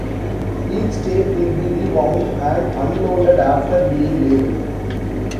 Each tape will be rewound and unloaded after being labeled.